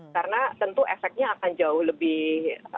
karena tentu efeknya akan jauh lebih